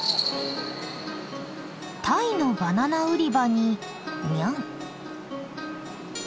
タイのバナナ売り場にニャン。